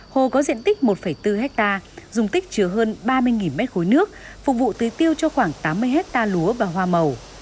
hồ có diện tích một bốn hectare dùng tích chứa hơn ba mươi m ba nước phục vụ tưới tiêu cho khoảng tám mươi hectare lúa và hoa màu